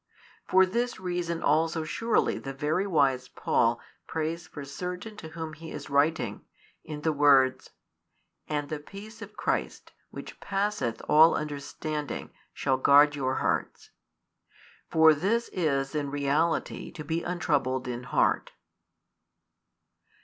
For this reason also surely the very wise Paul prays for certain to whom he is writing, in the words: And the peace of Christ, which passeth all understanding, shall guard your hearts. For this is in reality to be untroubled in heart.